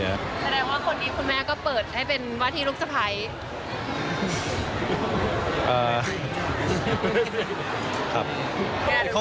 แสดงว่าคนนี้คุณแม่ก็เปิดให้เป็นว่าที่ลูกสะพ้าย